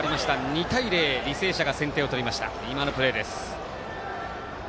２対０履正社が先手を取りました。